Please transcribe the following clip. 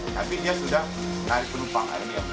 tapi dia sudah naik penumpang